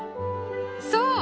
そう！